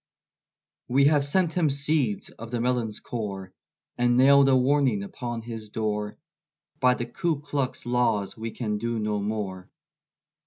We have sent him seeds of the melon's core, And nailed a warning upon his door; By the Ku Klux laws we can do no more.